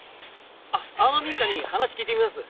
あっあの民家に話聞いてみます。